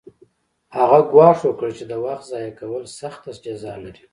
هغه ګواښ وکړ چې د وخت ضایع کول سخته جزا لري